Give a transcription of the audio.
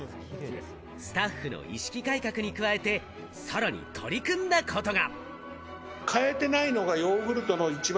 スタッフの意識改革に加えて、さらに取り組んだことが。